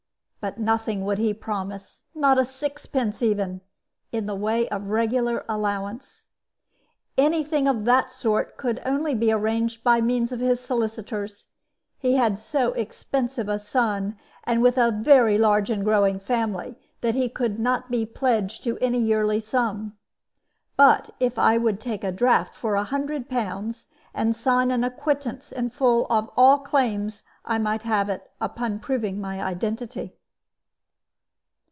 But nothing would he promise, not a sixpence even, in the way of regular allowance. Any thing of that sort could only be arranged by means of his solicitors. He had so expensive a son, with a very large and growing family, that he could not be pledged to any yearly sum. But if I would take a draft for 100 pounds, and sign an acquittance in full of all claims, I might have it, upon proving my identity.